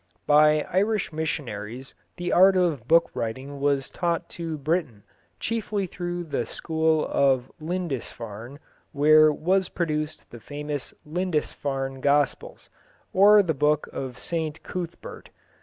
By Irish missionaries the art of book writing was taught to Britain, chiefly through the school of Lindisfarne, where was produced the famous Lindisfarne Gospels, or Book of St Cuthbert.